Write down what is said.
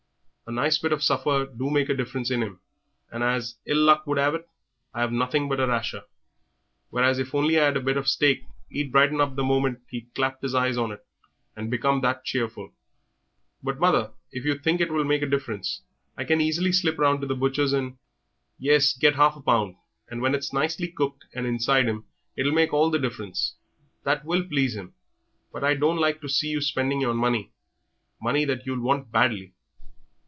A nice bit of supper do make a difference in 'im, and as ill luck will 'ave it, I've nothing but a rasher, whereas if I only 'ad a bit of steak 'e'd brighten up the moment he clapt eyes on it and become that cheerful." "But, mother, if you think it will make a difference I can easily slip round to the butcher's and " "Yes, get half a pound, and when it's nicely cooked and inside him it'll make all the difference. That will please him. But I don't like to see you spending your money money that you'll want badly."